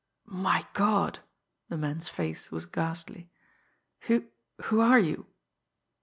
"My God!" The man's face was ghastly. "Who who are you?"